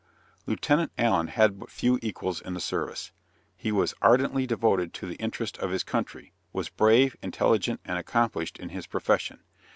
Lieutenant Allen had but few equals in the service. He was ardently devoted to the interest of his country, was brave, intelligent, and accomplished in his profession.